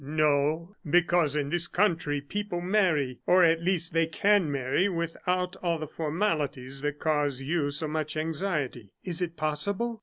"No, because in this country, people marry, or at least they can marry, without all the formalities that cause you so much anxiety." "Is it possible?"